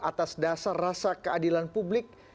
atas dasar rasa keadilan publik